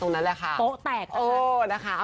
ก็รอติดตามกันนะครับ